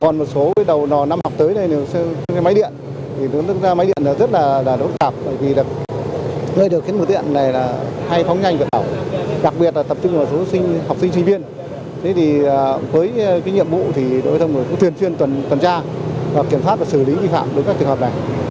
nguyên đã hạn chế được một số rất là tốt đặc biệt là các trường hợp xe máy điện chủ yếu là học sinh sinh viên trên địa bản